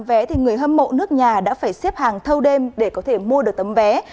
vé thì người hâm mộ nước nhà đã phải xếp hàng thâu đêm để có thể mua được tấm vé